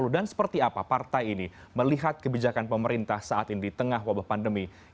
dan seperti apa partai ini melihat kebijakan pemerintah saat ini di tengah wabah pandemi yang mengikis perekonomian